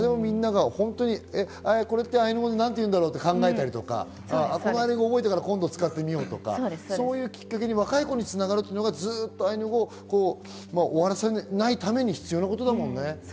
これってアイヌ語でなんて言うんだろうって考えたり、今度使ってみようとか、そういうきっかけに若い子に繋がるのがずっとアイヌ語を終わらせないために必要なことだもんね。